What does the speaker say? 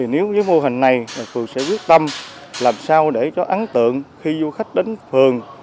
nếu với mô hình này phường sẽ quyết tâm làm sao để cho ấn tượng khi du khách đến phường